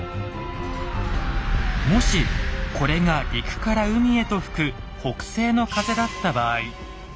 もしこれが陸から海へと吹く北西の風だった場合。